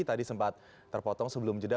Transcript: tadi sempat terpotong sebelum jeda